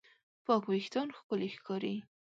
پاک وېښتيان ښکلي ښکاري.